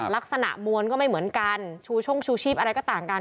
ลักษณะมวลก็ไม่เหมือนกันชูช่งชูชีพอะไรก็ต่างกัน